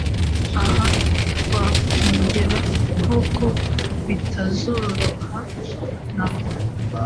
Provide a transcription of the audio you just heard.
Aha, twakongera ho ko bitazoroha namba